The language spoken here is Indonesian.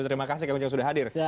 terima kasih kang ujang sudah hadir